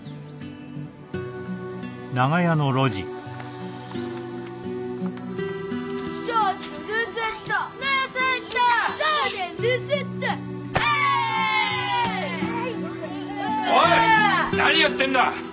何やってんだ！